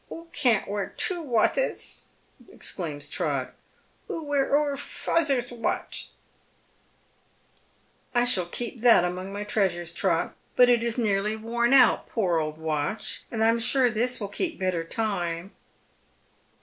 " Oo can't wear two wathes," exclaims Trot. " Oo wear oor fazer's wath." " I shall keep that among my treasures, Trot ; but it is nearly worn out, poor old watch, and I am sure this will keejJ better time."